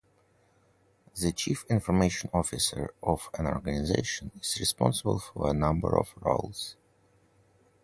The Chief Information Officer of an organization is responsible for a number of roles.